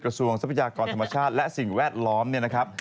ทรัพยากรธรรมชาติและสิ่งแวดล้อมเนี่ยนะครับ